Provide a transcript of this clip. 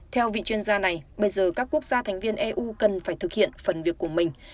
theo vị chuyên gia này bây giờ các quốc gia thành viên eu cần phải thực hiện phần việc của mình